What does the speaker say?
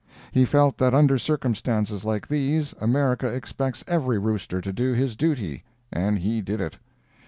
He felt that under circumstances like these America expects every rooster to do his duty, and he did it.